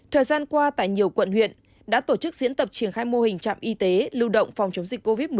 thời gian qua tại nhiều quận huyện đã tổ chức diễn tập triển khai mô hình trạm y tế lưu động phòng chống dịch covid một mươi chín